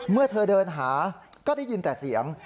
เมื่อเธอเดินหาก็ได้ยินแต่เสียง